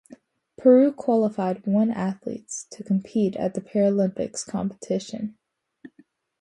Peru qualified one athletes to compete at the Paralympics competition.